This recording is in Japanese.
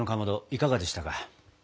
いかがでしたか？